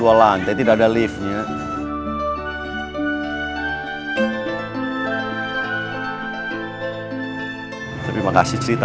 ullah ya ab zhong